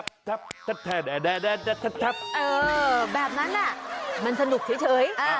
อ๋อแบบนั้นอะมันสนุกเฉยเฉยเอ่อ